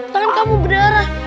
tangan kamu berdarah